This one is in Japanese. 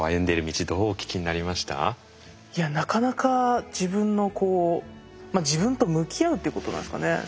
いやなかなか自分のこう自分と向き合うってことなんですかね。